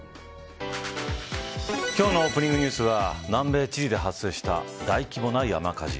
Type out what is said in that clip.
今日のオープニングニュースは南米チリで発生した大規模な山火事。